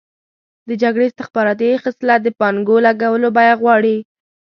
د جګړې استخباراتي خصلت د پانګو لګولو بیه غواړي.